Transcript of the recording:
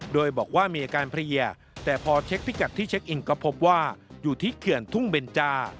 โดยบอกว่ามีอาการเพลียแต่พอเช็คพิกัดที่เช็คอินก็พบว่าอยู่ที่เขื่อนทุ่งเบนจา